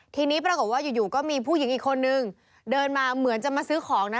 ทีนี้ปรากฏว่าอยู่ก็มีผู้หญิงอีกคนนึงเดินมาเหมือนจะมาซื้อของนะ